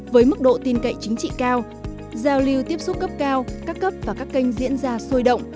với mức độ tin cậy chính trị cao giao lưu tiếp xúc cấp cao các cấp và các kênh diễn ra sôi động